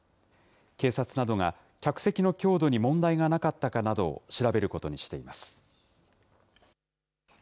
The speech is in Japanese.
警察などが客席の強度に問題がなかったかなどを調べることにしています。